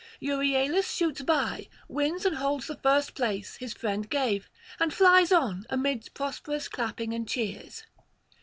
Euryalus shoots by, wins and holds the first place his friend gave, and flies on amid prosperous clapping and cheers.